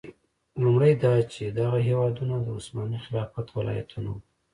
لومړی دا چې دغه هېوادونه د عثماني خلافت ولایتونه وو.